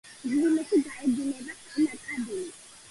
მღვიმეში გაედინება ნაკადული.